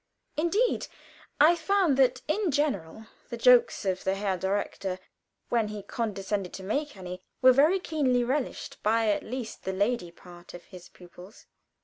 Indeed I found that in general the jokes of the Herr Direktor, when he condescended to make any, were very keenly relished by at least the lady part of his pupils.